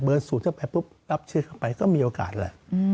เบิร์นสูดเข้าไปปุ๊บลับเชื้อไปก็มีโอกาสละ